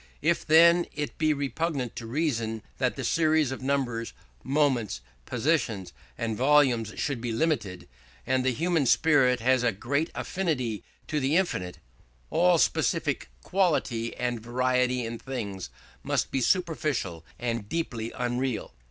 If then it be repugnant to reason that the series of numbers, moments, positions, and volumes should be limited and the human spirit has a great affinity to the infinite all specific quality and variety in things must be superficial and deeply unreal.